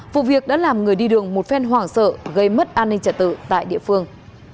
vụ việc đã làm người đi đường một phen hoảng sợ gây mất an ninh trật tự tại địa phương